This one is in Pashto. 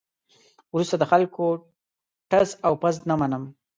وروسته د خلکو ټز او پز نه منم.